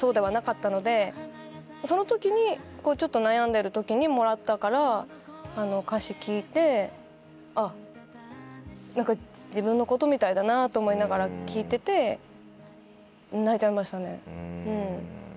その時に悩んでる時にもらったから歌詞聴いてあっ何か自分のことみたいだなと思いながら聴いてて泣いちゃいましたねうん。